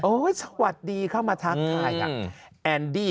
สวัสดีเข้ามาทักทายกับแอนดี้